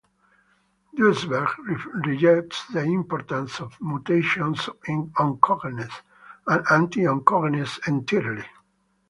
Duesberg rejects the importance of mutations, oncogenes, and anti-oncogenes entirely.